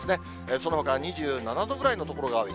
そのほかは２７度ぐらいの所が多い。